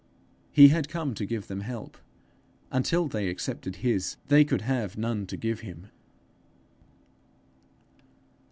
He had come to give them help; until they accepted his, they could have none to give him.